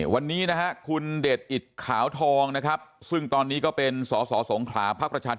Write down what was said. วันนี้คุณเดช่อนขาวทองนะครับซึ่งตอนนี้ก็เป็นส่อสงขลาว